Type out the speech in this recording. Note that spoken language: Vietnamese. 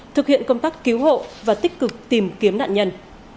thực hiện công tác cứu hộ và tích cực tìm kiếm nạn nhân